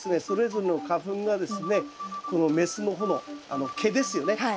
それぞれの花粉がですねこの雌の穂の毛ですよね。